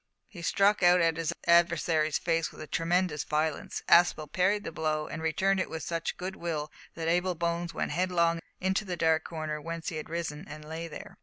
He struck out at his adversary's face with tremendous violence. Aspel parried the blow and returned it with such good will that Abel Bones went headlong into the dark corner whence he had risen, and lay there.